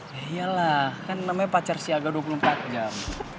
ya iyalah kan namanya pacar si agah dua puluh empat jam